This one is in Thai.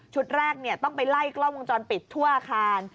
แรกต้องไปไล่กล้องวงจรปิดทั่วอาคาร